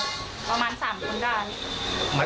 เพราะว่าตลอดนะคะเพราะสุดท้ายโดยเห็นน้องอยู่ในบ่อนั้น